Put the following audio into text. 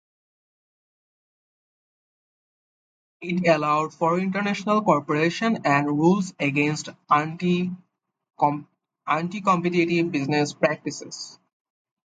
It allowed for international cooperation and rules against anti-competitive business practices.